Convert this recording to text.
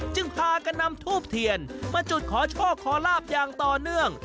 พากันนำทูบเทียนมาจุดขอโชคขอลาบอย่างต่อเนื่อง